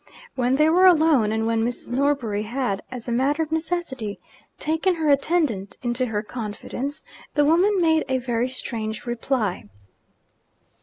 When they were alone, and when Mrs. Norbury had, as a matter of necessity, taken her attendant into her confidence, the woman made a very strange reply.